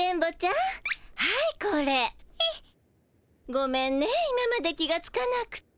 ごめんね今まで気がつかなくて。